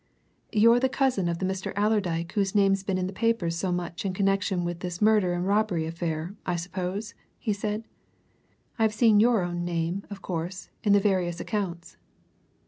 "You're the cousin of the Mr. Allerdyke whose name's been in the papers so much in connection with this murder and robbery affair, I suppose?" he said. "I've seen your own name, of course, in the various accounts."